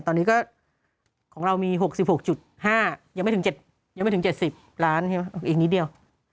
ตอนนี้ก็ของเรามี๖๖๕ยังไม่ถึงยังไม่ถึง๗๐ล้านใช่ไหมอีกนิดเดียว